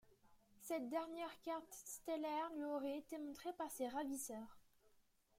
Cette dernière carte stellaire lui aurait été montré par ses ravisseurs.